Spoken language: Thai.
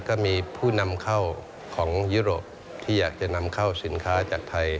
ก็มีผู้นำเข้าของยุโรปที่อยากจะนำเข้าสินค้าจากไทย